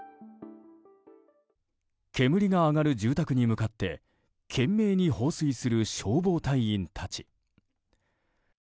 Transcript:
煙が上がる住宅に向かって懸命に放水する消防隊員たち。